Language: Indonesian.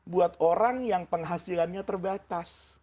buat orang yang penghasilannya terbatas